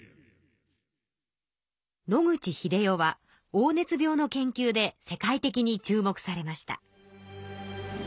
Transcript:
黄熱病の研究で世界的に注目されました。